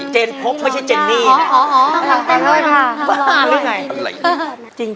เจนพบเพราะว่าเจนนี่